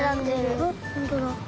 あっほんとだ。